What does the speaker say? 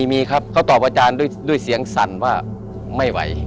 มีครับเขาตอบอาจารย์ด้วยเสียงสั่นว่าไม่ไหว